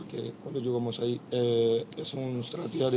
dan memiliki pemain